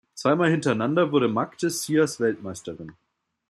Zweimal hintereinander wurde Madge Syers Weltmeisterin.